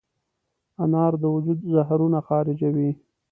انار د وجود زهرونه خارجوي.